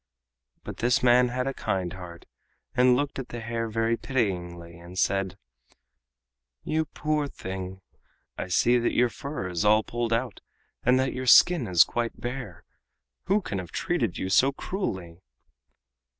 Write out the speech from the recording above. But this man had a kind heart, and looked at the hare very pityingly, and said: "You poor thing! I see that your fur is all pulled out and that your skin is quite bare. Who can have treated you so cruelly?"